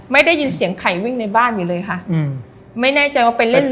ไม่ได้ยินเสียงไข่วิ่งในบ้านอยู่เลยค่ะอืมไม่แน่ใจว่าไปเล่น